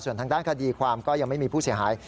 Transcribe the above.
ส่วนทางด้านคดีความก็ยังไม่มีผู้เสียหาย